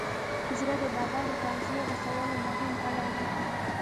زړه د بدن د تغذیې رسولو مهم غړی دی.